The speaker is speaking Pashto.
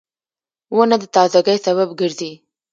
• ونه د تازهګۍ سبب ګرځي.